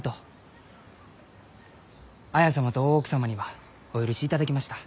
綾様と大奥様にはお許しいただきました。